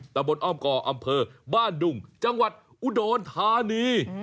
ตะบนอ้อมก่ออำเภอบ้านดุงจังหวัดอุดรธานี